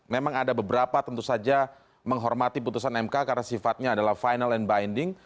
memang ada beberapa tentu saja menghormati putusan mk karena sifatnya adalah final and binding